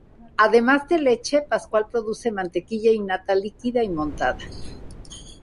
Además de leche, Pascual produce mantequilla y nata líquida y montada.